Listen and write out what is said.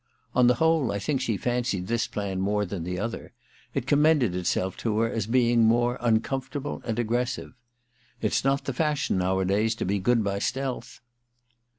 On the whole, I think she fancied this plan more than the other — it commended itself to her as being more uncomfortable and aggressive. It's not the fashion nowadays to be good by stealth.'